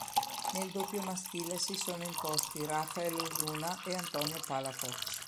Nel doppio maschile si sono imposti Rafael Osuna e Antonio Palafox.